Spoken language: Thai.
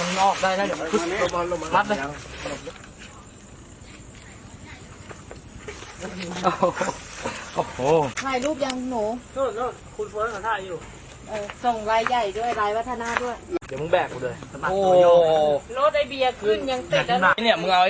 โอ้โหโรจี้เบียร์ขึ้นยังเสร็จกันนี้มึงเอาอะไร